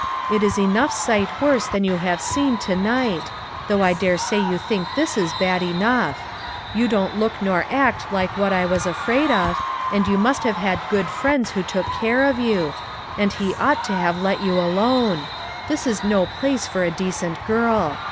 It is enough sight worse than you have seen to night, though I dare say you think this is bad enough. You don't look nor act like what I was afraid of, and you must have had good friends who took care of you ; and he ought to have let you alone. This is no place for a decent girl.